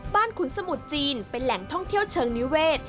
ขุนสมุทรจีนเป็นแหล่งท่องเที่ยวเชิงนิเวศ